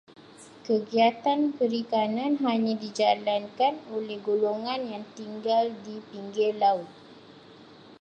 Kegiatan perikanan hanya dijalankan oleh golongan yang tinggal di pinggir laut.